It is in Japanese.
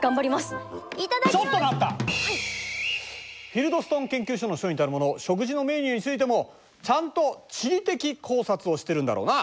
フィルドストン研究所の所員たるもの食事のメニューについてもちゃんと地理的考察をしているんだろうな？